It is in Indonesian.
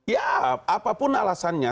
ya apapun alasannya